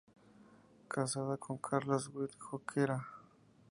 Casada con Carlos de Witt Jorquera.